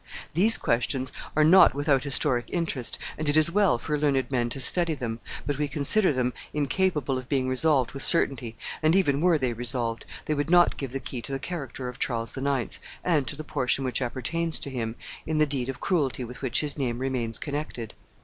These questions are not without historic interest, and it is well for learned men to study them; but we consider them incapable of being resolved with certainty; and, even were they resolved, they would not give the key to the character of Charles IX. and to the portion which appertains to him in the deed of cruelty with which his name remains connected.